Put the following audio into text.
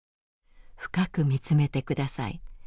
深く見つめて下さい。